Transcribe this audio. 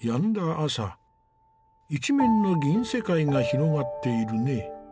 朝一面の銀世界が広がっているね。